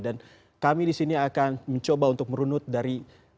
dan kami disini akan mencoba untuk merunut dari